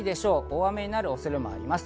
大雨になる恐れもあります。